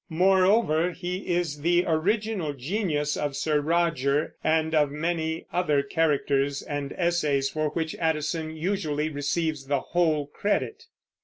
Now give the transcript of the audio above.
Moreover, he is the original genius of Sir Roger, and of many other characters and essays for which Addison usually receives the whole credit.